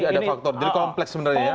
jadi kompleks sebenarnya ya